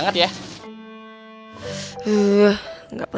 neng aku mau ke sana